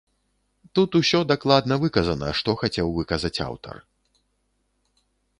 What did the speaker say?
Тут усё дакладна выказана, што хацеў выказаць аўтар.